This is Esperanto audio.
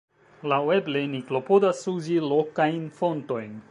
Laŭeble ni klopodas uzi lokajn fontojn.